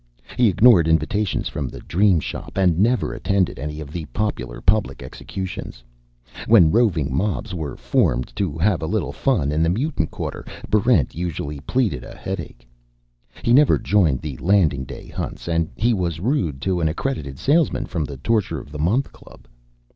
He ignored invitations from the Dream Shop, and never attended any of the popular public executions. When roving mobs were formed to have a little fun in the Mutant Quarter, Barrent usually pleaded a headache. He never joined the Landing Day Hunts, and he was rude to an accredited salesman from the Torture of the Month Club.